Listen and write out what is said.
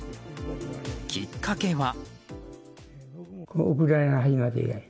きっかけは。